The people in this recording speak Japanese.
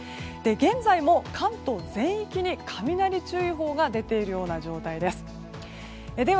現在も関東全域に雷注意報が出ているような状態です。